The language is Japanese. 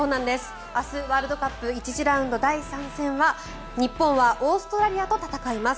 明日、ワールドカップ１次ラウンド第３戦は日本はオーストラリアと戦います。